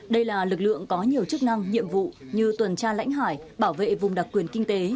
đây là lực lượng có nhiều chức năng nhiệm vụ như tuần tra lãnh hải bảo vệ vùng đặc quyền kinh tế